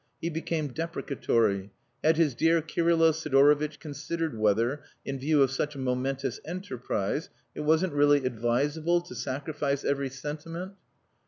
He became deprecatory. Had his dear Kirylo Sidorovitch considered whether, in view of such a momentous enterprise, it wasn't really advisable to sacrifice every sentiment....